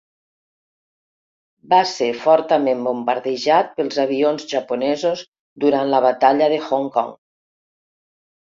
Va ser fortament bombardejat pels avions japonesos durant la batalla de Hong Kong.